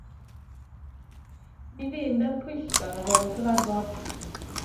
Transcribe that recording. Mi fûm mewn pwyllgor ar ôl y cyfarfod.